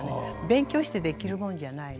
勉強してできるもんじゃない。